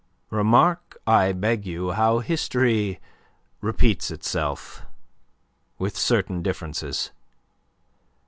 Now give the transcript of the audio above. Remark, I beg you, how history repeats itself with certain differences.